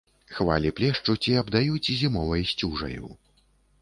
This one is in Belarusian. Хвалі плешчуць і абдаюць зімовай сцюжаю.